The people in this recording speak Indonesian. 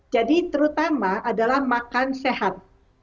jadi terutama adalah makan sehat